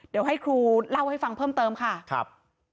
เดี๋ยวให้ครูเล่าให้ฟังเพิ่มเติมค่ะครับ